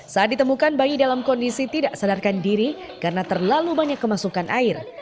saat ditemukan bayi dalam kondisi tidak sadarkan diri karena terlalu banyak kemasukan air